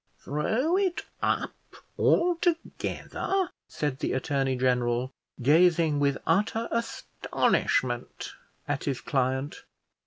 throw it up altogether?" said the attorney general, gazing with utter astonishment at his client.